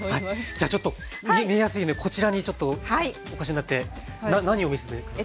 じゃあちょっと見えやすいようにこちらにちょっとお越しになって何を見せて下さる。